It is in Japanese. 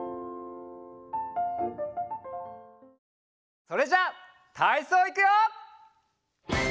それじゃたいそういくよ！